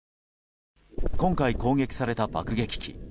今回、攻撃された爆撃機。